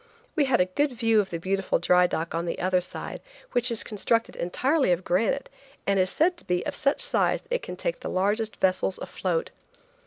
We had a good view of the beautiful dry dock on the other side, which is constructed entirely of granite and is said to be of such size that it can take in the largest vessels afloat.